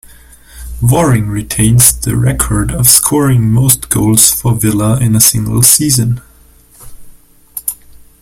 Waring retains the record of scoring most goals for Villa in a single season.